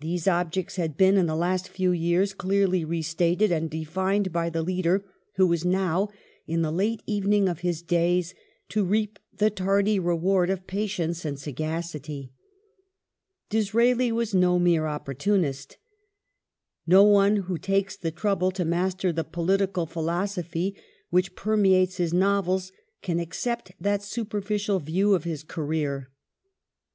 Those ob jects had been in the last few years clearly re stated and defined by the leader who was now, in the late evening of his days, to reap the tardy reward of patience and sagacity. Disraeli Disraeli was "Rcr mere opportunist. No one who takes the educatfon trouble to master the political philosophy which permeates hisi of Conser novels can accept that supei ficial view of his career.